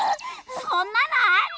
そんなのあり？